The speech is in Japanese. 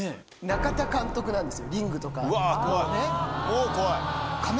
中田監督なんですよ『リング』とかのね。